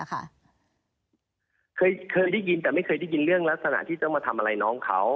เคยได้ยินแต่ไม่เคยได้ยินเรื่องลักษณะที่ต้องมาทำอะไรน้องเขา